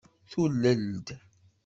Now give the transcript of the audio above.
Tulel-d.